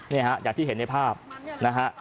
นี่ฮะอย่างที่เห็นในภาพนะฮะ